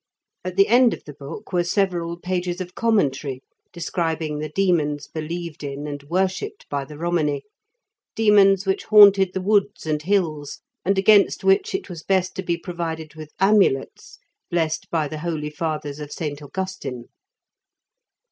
At the end of the book were several pages of commentary, describing the demons believed in and worshipped by the Romany, demons which haunted the woods and hills, and against which it was best to be provided with amulets blessed by the holy fathers of St. Augustine.